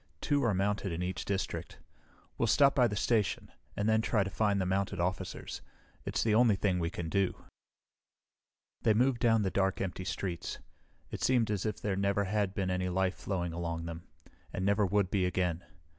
Two are mounted in each district. We'll stop by the station, and then try to find the mounted officers. It's the only thing we can do." They moved down the dark, empty streets. It seemed as if there never had been any life flowing along them, and never would be again.